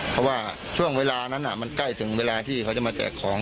เพราะว่าช่วงเวลานั้นมันใกล้ถึงเวลาที่เขาจะมาแจกของ